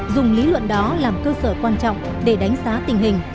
dùng lý luận đó làm cơ sở quan trọng để đánh giá tình hình